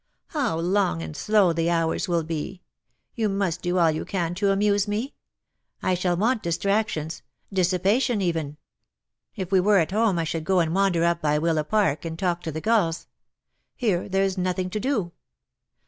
" How long and slow the hours will be. You must do all you can to amuse me. I shall want distractions — dissipation even. If we were at home I should go and wander up by Willapark, and talk to the gulls. Here there is nothing to do.